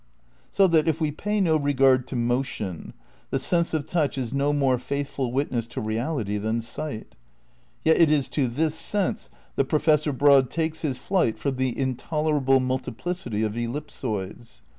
So that, if we pay no regard to motion, the sense of touch is no more faithful witness to reality than sight. Yet it is to this sense that Professor Broad takes his flight from the intolerable multiplicity of ellipsoids.